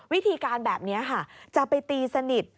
วิธีการแบบนี้ค่ะจะไปตีสนิท